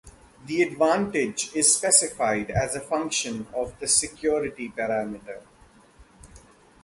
The advantage is specified as a function of the security parameter.